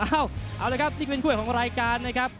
เอาละครับนี่เป็นถ้วยของรายการนะครับ